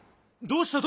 どうした？